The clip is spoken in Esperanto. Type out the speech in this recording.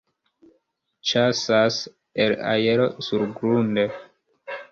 Ĉasas el aero surgrunde.